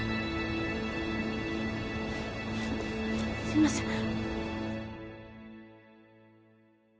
すいません。